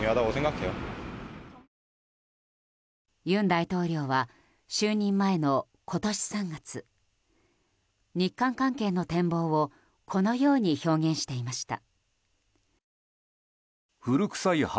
尹大統領は、就任前の今年３月日韓関係の展望をこのように表現していました。